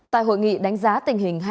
tại hội nghị đánh giá tình hình